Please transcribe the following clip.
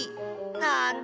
なんだ。